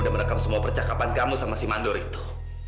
dan merekam semua percakapan kamu sama si mandor itu